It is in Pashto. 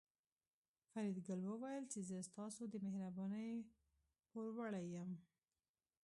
فریدګل وویل چې زه ستاسو د مهربانۍ پوروړی یم